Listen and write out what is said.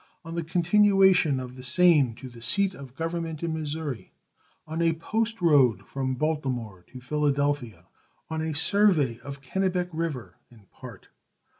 On the continuation of the same to the seat of government in Missouri. On a post road from Baltimore to Philadelphia. Of a survey of Kennebec River (in part).